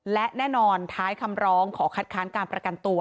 และแน่นอนท้ายคำร้องขอคัดค้านการประกันตัว